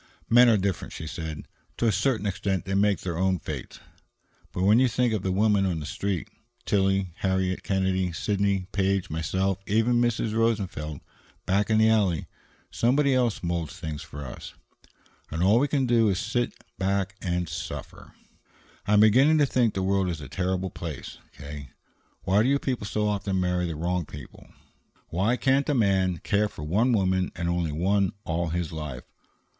"Men are different," she said. "To a certain extent they make their own fates. But when you think of the women on the Street, Tillie, Harriet Kennedy, Sidney Page, myself, even Mrs. Rosenfeld back in the alley, somebody else moulds things for us, and all we can do is to sit back and suffer. I am beginning to think the world is a terrible place, K. Why do people so often marry the wrong people? Why can't a man care for one woman and only one all his life?